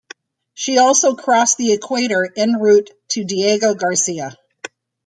She also crossed the equator en route to Diego Garcia.